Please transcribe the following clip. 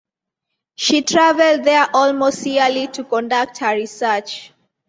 She traveled there almost yearly to conduct her research.